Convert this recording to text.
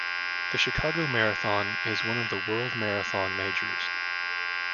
The Chicago Marathon is one of the World Marathon Majors.